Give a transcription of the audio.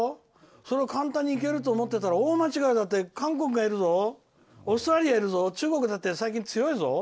それを簡単に行けると思ったら大間違いだぞ韓国がいるぞオーストラリアがいるぞ中国だって最近、強いぞ。